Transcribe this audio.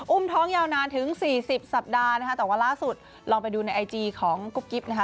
อุ้มท้องยาวนานถึง๔๐สัปดาห์แต่ว่าล่าสุดลองไปดูในไอจีของกุ๊บกิฟต์